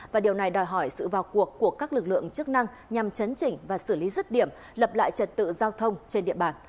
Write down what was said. và điều này đòi hỏi sự vào cuộc của các lực lượng chức năng nhằm chấn chỉnh và xử lý rứt điểm lập lại trật tự giao thông trên địa bàn